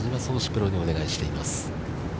プロにお願いしています。